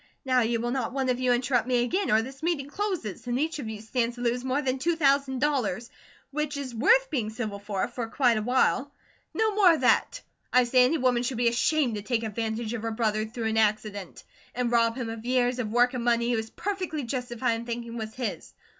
Now you will not one of you interrupt me again, or this meeting closes, and each of you stands to lose more than two thousand dollars, which is worth being civil for, for quite a while. No more of that! I say any woman should be ashamed to take advantage of her brother through an accident; and rob him of years of work and money he was perfectly justified in thinking was his.